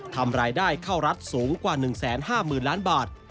ทำรายได้เข้ารัฐสูงกว่า๑๕๐๐๐ล้านบาท